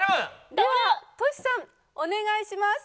ではトシさんお願いします。